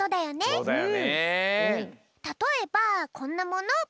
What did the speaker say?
そうだよね。